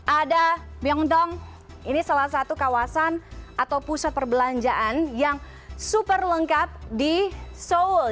ada byongdong ini salah satu kawasan atau pusat perbelanjaan yang super lengkap di seoul